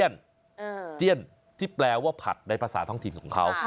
เอิ่มเจ็ดที่แปลว่าผัดในภาษาท่องถิ่นของเขาค่ะ